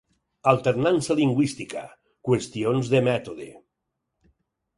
Alternança lingüística: qüestions de mètode.